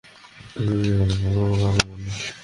ভাইয়া, আপনি খুবই ভালো মানুষ।